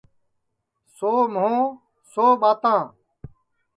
سو مُہو سو ٻاتاں